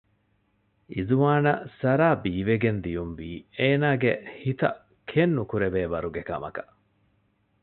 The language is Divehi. އިޒުވާނަށް ސާރާ ބީވެގެން ދިޔުންވީ އޭނަގެ ހިތަށް ކެތްނުކުރެވޭވަރުގެ ކަމަކަށް